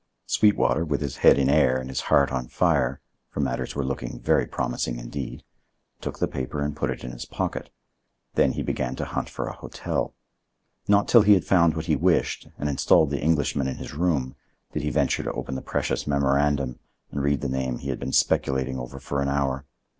Sweetwater, with his head in air and his heart on fire—for matters were looking very promising indeed—took the paper and put it in his pocket; then he began to hunt for a hotel. Not till he had found what he wished, and installed the Englishman in his room, did he venture to open the precious memorandum and read the name he had been speculating over for an hour.